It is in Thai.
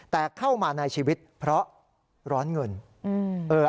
แต่เข้ามาในชีวิตเพราะร้อนเงิน